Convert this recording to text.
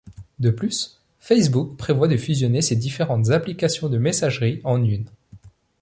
De plus, Facebook prévoit de fusionner ses différentes applications de messagerie en une.